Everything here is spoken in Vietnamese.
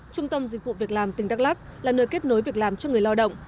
trung tâm dịch vụ việc làm tỉnh đắk lắc là nơi kết nối việc làm cho người lao động